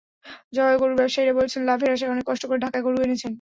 জবাবে গরুর ব্যবসায়ীরা বলছেন, লাভের আশায় অনেক কষ্ট করে ঢাকায় গরু এনেছেন।